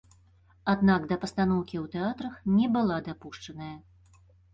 Аднак да пастаноўкі ў тэатрах не была дапушчаная.